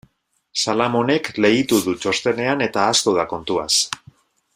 Salamonek leitu du txostenean eta ahaztu da kontuaz.